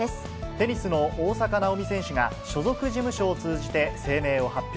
テニスの大坂なおみ選手が、所属事務所を通じて声明を発表。